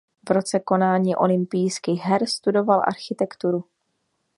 V roce konání olympijských her studoval architekturu.